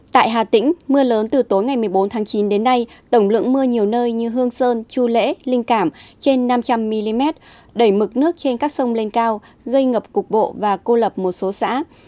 tại hà tĩnh mưa lớn từ tối ngày một mươi bốn tháng chín đến nay tổng lượng mưa nhiều nơi như hương sơn chu lễ linh cảm trên năm trăm linh mm đẩy mực nước trên các sông lên cao gây ngập cục bộ và cô lập một số xã